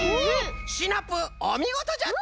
シナプーおみごとじゃった！